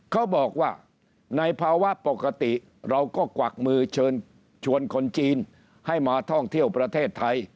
เขาบอกว่าในภาวะปกติเราก็กวักมือเชิญชวนคนจีนให้มาท่องเที่ยวประเทศไทย